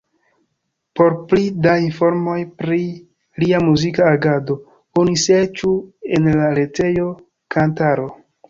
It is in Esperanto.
Por pli da informoj pri lia muzika agado, oni serĉu en la retejo Kantaro.